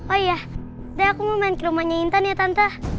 oh iya deh aku mau main ke rumahnya intan ya tanta